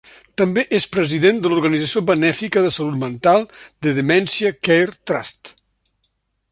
També és president de l'organització benèfica de salut mental The Dementia Care Trust.